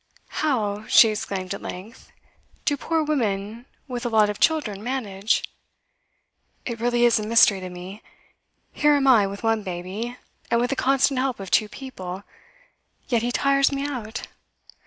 'How,' she exclaimed at length, 'do poor women with a lot of children manage? It really is a mystery to me. Here am I with one baby, and with the constant help of two people; yet he tires me out.